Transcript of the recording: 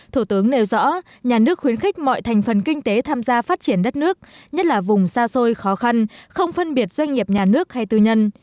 thủ tướng nêu rõ nhà nước khuyến khích mọi thành phần kinh tế tham gia phát triển đất nước nhất là vùng xa xôi khó khăn không phân biệt doanh nghiệp nhà nước hay tư nhân